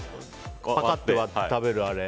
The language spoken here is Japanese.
パカッて割って食べるあれ。